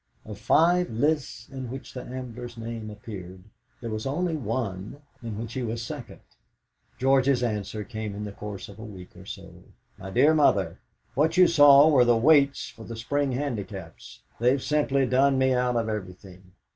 Of five lists in which the Ambler's name appeared, there was only one in which he was second. George's answer came in the course of a week or so. "MY DEAR MOTHER, "What you saw were the weights for the Spring Handicaps. They've simply done me out of everything.